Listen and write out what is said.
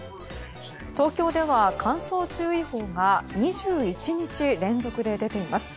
東京では乾燥注意報が２１日連続で出ています。